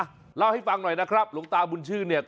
เล่าให้ฟังหน่อยนะครับหลวงตาบุญชื่นเนี่ย